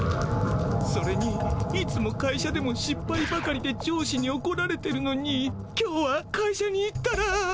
それにいつも会社でもしっぱいばかりで上司におこられてるのに今日は会社に行ったら。